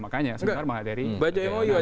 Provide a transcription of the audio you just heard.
baca mou adalah gitu